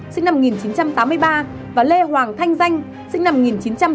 sinh năm một nghìn chín trăm tám mươi ba và lê hoàng thanh danh sinh năm một nghìn chín trăm tám mươi